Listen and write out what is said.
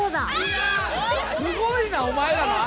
すごいなお前らは。